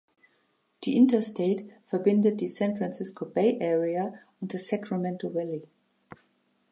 Die Interstate verbindet die San Francisco Bay Area und das Sacramento Valley.